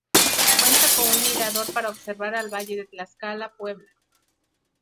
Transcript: Cuenta con un mirador para observar al Valle de Tlaxcala-Puebla.